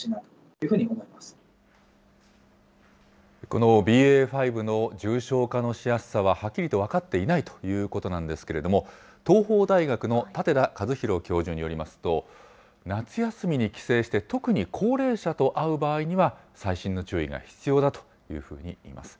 このＢＡ．５の重症化のしやすさは、はっきりと分かっていないということなんですけれども、東邦大学の舘田一博教授によりますと、夏休みに帰省して、特に高齢者と会う場合には、細心の注意が必要だというふうにいいます。